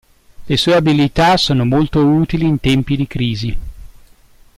Le sue abilità sono molto utili in tempi di crisi.